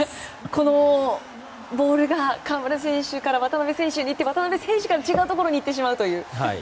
このボールが河村選手から渡邊選手に行って渡邊選手から違うところに行ってしまうという。